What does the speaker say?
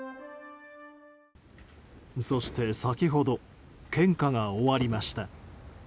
そして先ほど献花が終わりました。